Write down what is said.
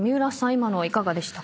今のはいかがでした？